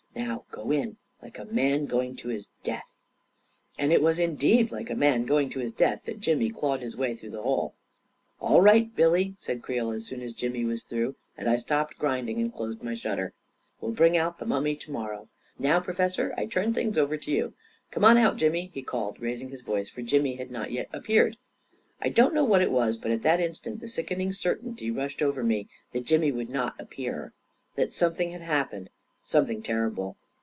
" Now go in — like a man going to his death !" And it was indeed like a man going to his death that Jimmy clawed his way through that hole. 44 All right, Billy! " said Creel, as soon as Jimmy was through, and I stopped grinding and dosed my shutter. " We'll bring out the mummy to morrow. A KING IN BABYLON 205 Now, Professor, I turn things over to you. Come on out, Jimmy 1" he called, raising his voice, for Jimmy had not yet appeared. I don't know what it was; but at that instant the sickening certainty rushed over me that Jimmy would not appear — that something had happened — something terrible